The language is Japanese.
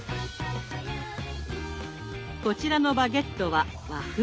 こちらのバゲットは和風。